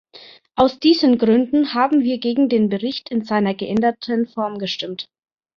Aus diesen Gründen haben wir gegen den Bericht in seiner geänderten Form gestimmt.